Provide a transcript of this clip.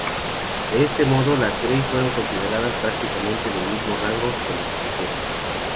De este modo, las Grey fueron consideradas prácticamente del mismo rango que las princesas.